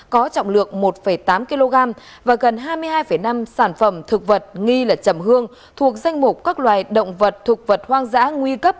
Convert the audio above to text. có trọng lượng một tám kg và gần hai mươi hai năm sản phẩm thực vật nghi là chầm hương thuộc danh mục các loài động vật thực vật hoang dã nguy cấp